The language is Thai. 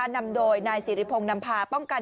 นำโดยนายสิริพงส์นำพารในเวลาป้องกัน